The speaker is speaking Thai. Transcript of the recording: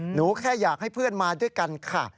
หนูแค่อยากให้เพื่อนมาด้วยกันค่ะ